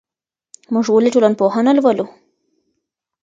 موږ ولي ټولنپوهنه لولو؟